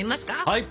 はい。